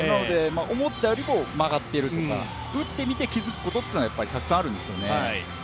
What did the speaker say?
思ったよりも曲がっているとか打ってみて気づくことっていうのは、たくさんあるんですよね。